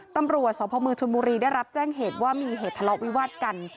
ตำรวจสพมชนบุรีได้รับแจ้งเหตุว่ามีเหตุทะเลาะวิวาดกัน